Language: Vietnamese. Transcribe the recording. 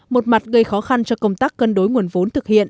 một mặt gây khó khăn cho công tác cân đối nguồn vốn thực hiện